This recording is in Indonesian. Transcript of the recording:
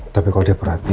tapi kalau dia perhatiin